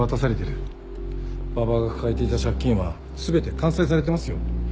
馬場が抱えていた借金は全て完済されてますよ。